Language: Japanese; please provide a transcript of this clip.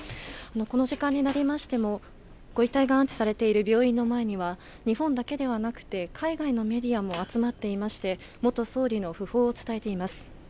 この時間になりましてもご遺体が安置されている病院の前には日本だけではなくて海外のメディアも集まっていまして元総理の訃報を伝えています。